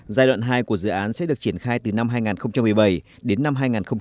giai đoạn hai của dự án sẽ được triển khai từ năm hai nghìn một mươi bảy đến năm hai nghìn hai mươi